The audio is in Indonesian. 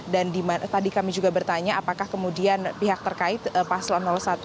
dan tadi kami juga bertanya apakah kemudian pihak terkait paslon satu